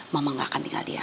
mama gak akan tinggal diam